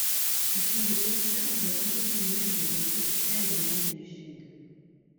Ce sont des petits arbres originaires des zones tropicales d'Amérique du Sud.